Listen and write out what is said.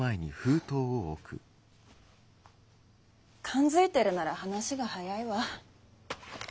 勘づいてるなら話が早いわ。